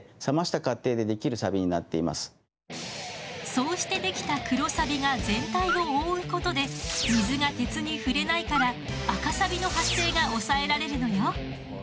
そうしてできた黒サビが全体を覆うことで水が鉄に触れないから赤サビの発生が抑えられるのよ。